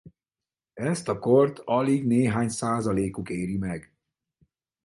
Ezt a kort alig néhány százalékuk éri meg.